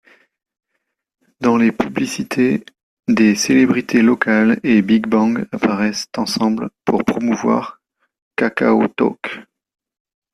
Dans les publicités, des célébrités locales et Big Bang apparaissent ensemble pour promouvoir KakaoTalk.